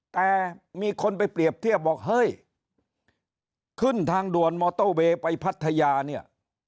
แต่มีคนไปเปรียบเทียบบอกเฮ้ยขึ้นทางด่วนมอเตอร์เวย์ไปพัทยาเนี่ย